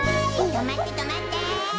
「とまって」だって！